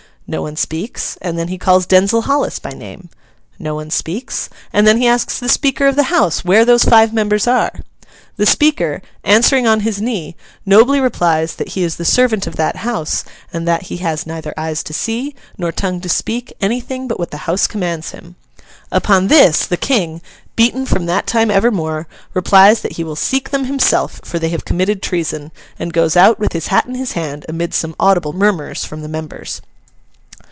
No one speaks, and then he calls Denzil Hollis by name. No one speaks, and then he asks the Speaker of the House where those five members are? The Speaker, answering on his knee, nobly replies that he is the servant of that House, and that he has neither eyes to see, nor tongue to speak, anything but what the House commands him. Upon this, the King, beaten from that time evermore, replies that he will seek them himself, for they have committed treason; and goes out, with his hat in his hand, amid some audible murmurs from the members.